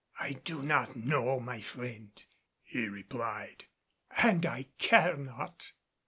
"I do not know, my friend," he replied, "and I care not."